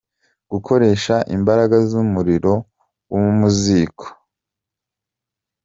Gukoresha imbaraga z’umuriro wo mu ziko.